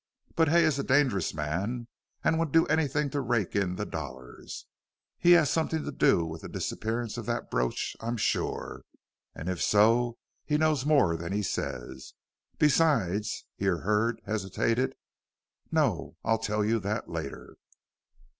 But Hay is a dangerous man and would do anything to rake in the dollars. He has something to do with the disappearance of that brooch I am sure, and if so, he knows more than he says. Besides" here Hurd hesitated "No! I'll tell you that later."